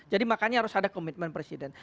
jadi makanya harus ada komitmen presiden